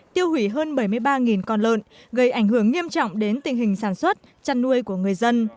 tiêu hủy hơn bảy mươi ba con lợn gây ảnh hưởng nghiêm trọng đến tình hình sản xuất chăn nuôi của người dân